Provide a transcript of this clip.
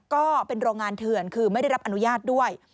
ก็เป็นโรงงานเถื่อนคือไม่ได้รับอนุญาตด้วย